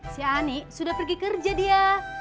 si ani sudah pergi kerja dia